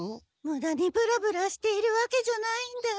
ムダにブラブラしているわけじゃないんだ。